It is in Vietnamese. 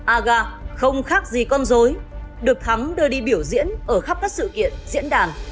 aga không khác gì con dối được thắng đưa đi biểu diễn ở khắp các sự kiện diễn đàn